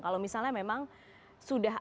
kalau misalnya memang sudah